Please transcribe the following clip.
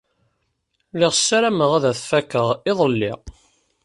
Lliɣ ssarameɣ ad t-fakeɣ iḍelli.